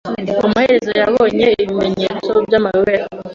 Amaherezo, yabonye ibimenyetso byamayobera.